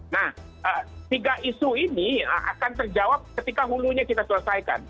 nah tiga isu ini akan terjawab ketika hulunya kita selesaikan